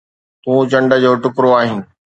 تون چنڊ جو ٽڪرو آهين.